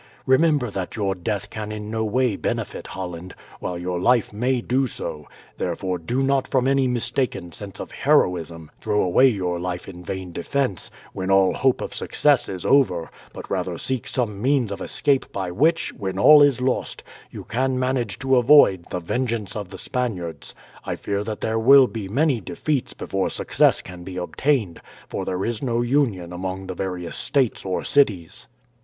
Remember that your death can in no way benefit Holland, while your life may do so; therefore do not from any mistaken sense of heroism throw away your life in vain defence, when all hope of success is over, but rather seek some means of escape by which, when all is lost, you can manage to avoid the vengeance of the Spaniards. I fear that there will be many defeats before success can be obtained, for there is no union among the various states or cities.